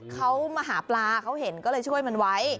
เขามาหาปลาเขาเห็นก็เลยช่วยมันไว้